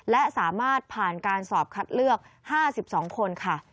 และสามารถผ่านการสอบคัดเลือก๕๒คนค่ะ